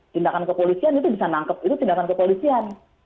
tindakan kepolisian itu bisa nangkep itu tindakan kepolisian